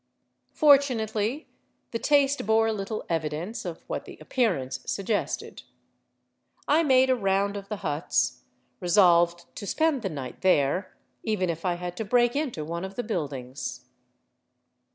Fortunately the taste bore little evidence of what the appearance suggested. I made a round of the huts, resolved to spend the night there, even if I had to break into one of the build ings.